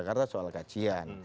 kita adalah yang kita kajian